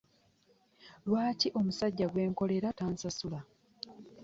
Lwaki omusajja gwe nkolera tansasula?